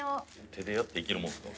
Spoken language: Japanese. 手でやっていけるもんすか？